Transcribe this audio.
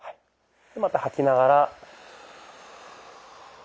また吐きながら。